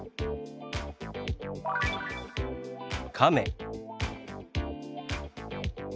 「亀」。